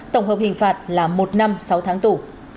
tổng hợp hình phạt là một năm sáu tháng tù